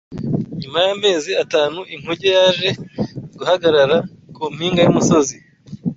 Nyuma y’amezi atanu inkuge yaje guhagarara ku mpinga y’umusozi